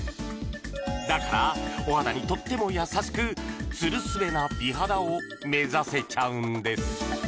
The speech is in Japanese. だからお肌にとっても優しくツルスベな美肌を目指せちゃうんです